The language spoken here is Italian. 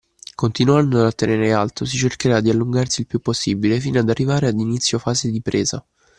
Continuandolo a tenere alto si cercherà di allungarsi il più possibile fino ad arrivare ad inizio fase di presa.